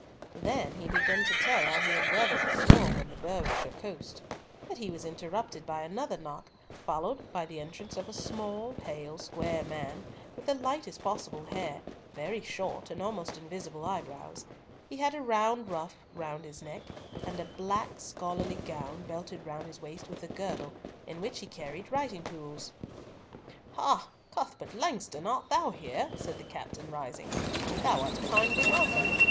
Then he began to tell how he had weathered the storm on the Berwickshire coast; but he was interrupted by another knock, followed by the entrance of a small, pale, spare man, with the lightest possible hair, very short, and almost invisible eyebrows; he had a round ruff round his neck, and a black, scholarly gown, belted round his waist with a girdle, in which he carried writing tools. "Ha, Cuthbert Langston, art thou there?" said the captain, rising. "Thou art kindly welcome.